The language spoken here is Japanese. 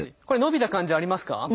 これ伸びた感じありますか？